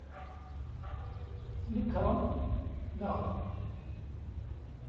Tnekrem, naɣ?